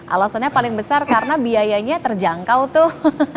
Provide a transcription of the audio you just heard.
alasannya paling besar karena biayanya terjangkau tuh